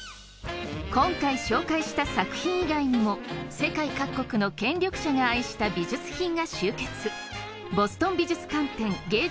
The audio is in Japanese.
今回紹介した作品以外にも世界各国の権力者が愛した美術品が集結